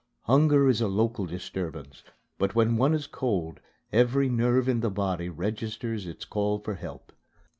Hunger is a local disturbance, but when one is cold, every nerve in the body registers its call for help.